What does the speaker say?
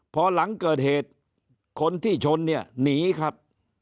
พอหลังเกิดเหตุคนที่ชนเนี่ยหนีครับ